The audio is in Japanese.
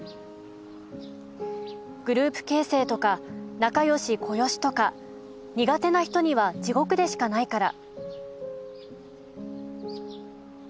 グループ形成とか仲良しこよしとか苦手な人には地獄でしかないから」。